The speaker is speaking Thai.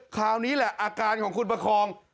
คราวนี้แหละอาการของคุณประคอง